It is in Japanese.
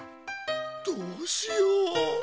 どうしよう。